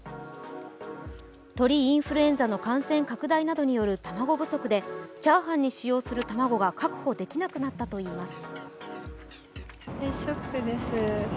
鳥インフルエンザの感染拡大などによる卵不足でチャーハンに使用する卵が確保できなくなったといいます。